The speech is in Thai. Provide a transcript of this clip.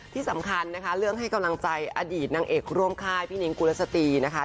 ที่สำคัญนะคะเรื่องให้กำลังใจอดีตนางเอกร่วมค่ายพี่นิ้งกุลสตรีนะคะ